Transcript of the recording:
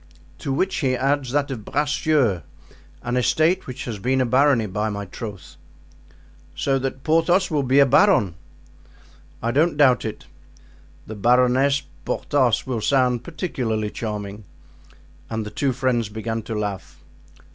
"To which he adds that of Bracieux, an estate which has been a barony, by my troth." "So that Porthos will be a baron." "I don't doubt it. The 'Baroness Porthos' will sound particularly charming." And the two friends began to laugh.